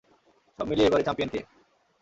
সব মিলিয়ে এবারে চ্যাম্পিয়ন কে?